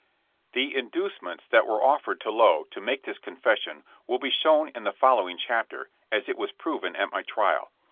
'^ The inducements that were offered to Lowe to make this confession will be shown in the following chapter, as it was proven at my trial.